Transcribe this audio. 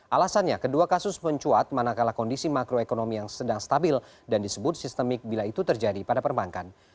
alasannya kedua kasus mencuat manakala kondisi makroekonomi yang sedang stabil dan disebut sistemik bila itu terjadi pada perbankan